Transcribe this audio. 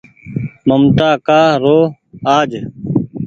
ممتآ ڪآ رو آج